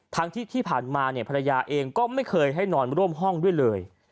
ทั้งที่ผ่านมาเนี่ยภรรยาเองก็ไม่เคยให้นอนร่วมห้องด้วยเลย